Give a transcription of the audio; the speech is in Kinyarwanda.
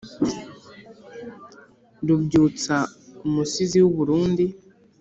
rubyutsa: umusizi w’i burundi